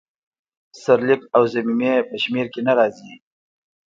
سرلیک او ضمیمې په شمیر کې نه راځي.